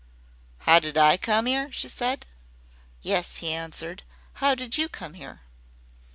"Ow did I come 'ere?" she said. "Yes," he answered, "how did you come here?"